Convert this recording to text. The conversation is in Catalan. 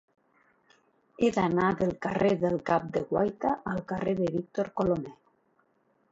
He d'anar del carrer del Cap de Guaita al carrer de Víctor Colomer.